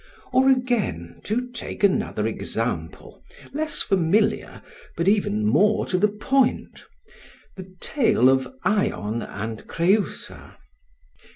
Or again, to take another example, less familiar, but even more to the point the tale of Ion and Creusa.